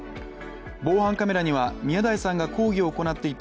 防犯カメラには宮台さんが講義を行っていた